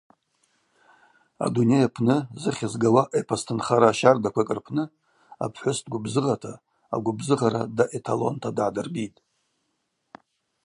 Адуней апны зыхьыз гауа эпос тынхара щардаквакӏ рпны апхӏвыс дгвыбзыгъата, агвыбзыгъара даэталонта дгӏадырбитӏ.